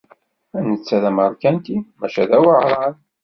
Netta d ameṛkanti, maca d aweɛṛan.